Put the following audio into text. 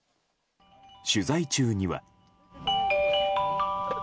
取材中には。